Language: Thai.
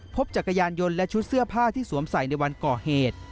จักรยานยนต์และชุดเสื้อผ้าที่สวมใส่ในวันก่อเหตุ